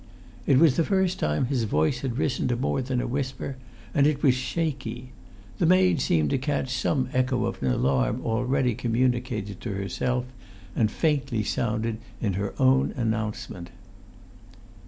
It was the first time his voice had risen to more than a whisper, and it was shaky. The maid seemed to catch some echo of an alarm already communicated to herself, and faintly sounded in her own announcement.